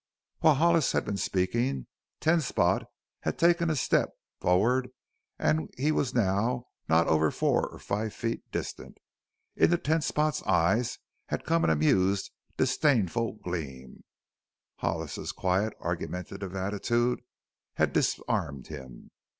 While Hollis had been speaking Ten Spot had taken a step forward and he was now not over four or five feet distant. Into Ten Spot's eyes had come an amused, disdainful gleam; Hollis's quiet, argumentative attitude had disarmed him.